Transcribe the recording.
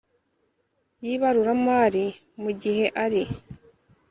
y ibaruramari mu gihe ari